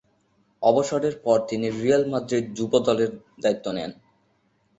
অবসরের পর তিনি রিয়াল মাদ্রিদ যুব দলের দায়িত্ব নেন।